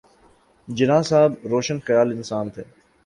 جناح صاحب روشن خیال انسان تھے۔